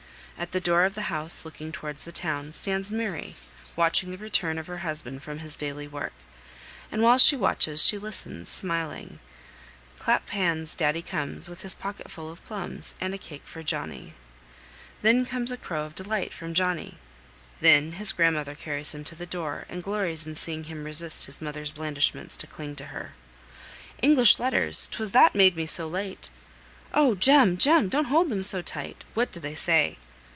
At the door of the house, looking towards the town, stands Mary, watching for the return of her husband from his daily work; and while she watches, she listens, smiling; "Clap hands, daddy comes, With his pocket full of plums, And a cake for Johnnie." Then comes a crow of delight from Johnnie. Then his grandmother carries him to the door, and glories in seeing him resist his mother's blandishments to cling to her. "English letters! 'Twas that made me so late!" "Oh, Jem, Jem! don't hold them so tight! What do they say?"